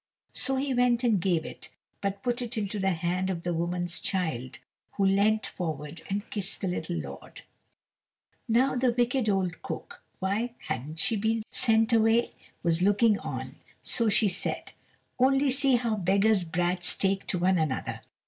So he went and gave it, but put it into the hand of the woman's child, who leant forward and kissed the little lord. Now the wicked old cook why hadn't she been sent away? was looking on, so she said, "Only see how beggars' brats take to one another."